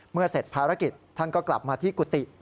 เสร็จภารกิจท่านก็กลับมาที่กุฏิ